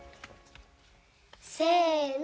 せの！